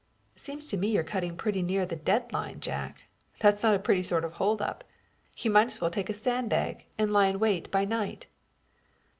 "Seems to me you're cutting pretty near the dead line, Jack. That's not a pretty sort of hold up. You might as well take a sandbag and lie in wait by night."